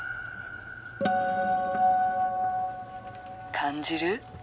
感じる？